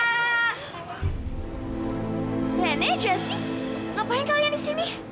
nene jessi ngapain kalian di sini